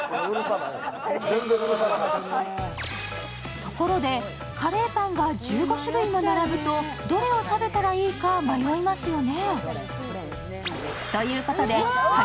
ところで、カレーパンが１５種類も並ぶとどれを食べたらいいか迷いますよね。